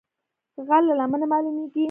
غر له لمنې مالومېږي